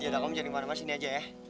yaudah kamu jalan kemana mana sini aja ya